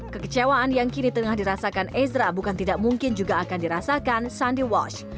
kekecewaan yang kini tengah dirasakan ezra bukan tidak mungkin juga akan dirasakan sandi wash